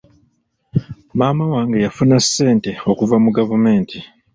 Maama wange yafuna ssente okuva mu gavumenti.